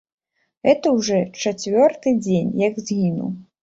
Гэта ўжо чацвёрты дзень, як згінуў.